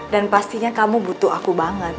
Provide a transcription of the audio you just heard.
dan pastinya kamu butuh aku banget